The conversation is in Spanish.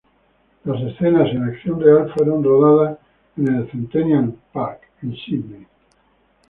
Las escenas en acción real fueron rodadas en el Centennial Park en Sidney.